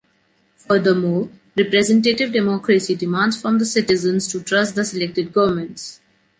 Furthermore, representative democracy demands from the citizens to trust the selected governments.